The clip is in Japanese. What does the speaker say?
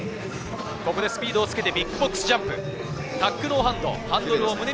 ここでスピードをつけてビッグボックスジャンプ。